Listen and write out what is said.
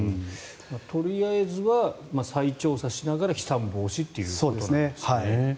とりあえずは再調査しながら飛散防止ということですね。